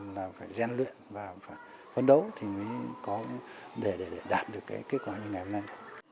là phải gian luyện và phải phấn đấu thì mới có để đạt được cái kết quả như ngày hôm nay